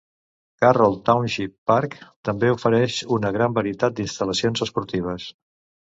Carroll Township Park també ofereix una gran varietat d'instal·lacions esportives.